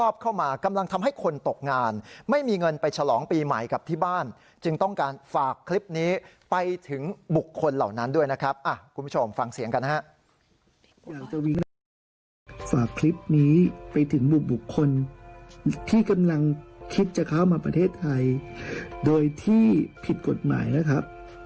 คลิปนี้ไปถึงบุคคลที่กำลังคิดจะเข้ามาประเทศไทยโดยที่ผิดกฎหมายนะครับ